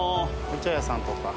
お茶屋さんとか。